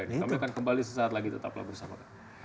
kami akan kembali sesaat lagi tetaplah bersama kami